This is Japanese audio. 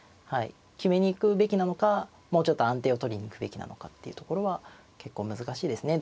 決めに行くべきなのかもうちょっと安定を取りに行くべきなのかっていうところは結構難しいですね。